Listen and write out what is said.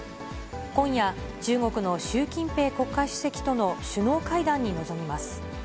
今夜、中国の習近平国家主席との首脳会談に臨みます。